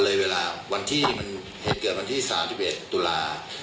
พอเลยเวลาวันที่มันเห็นเกิดวันที่๓๑ตุลาคม